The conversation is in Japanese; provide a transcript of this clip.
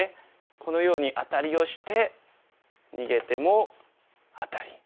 このようにアタリをして逃げてもアタリ。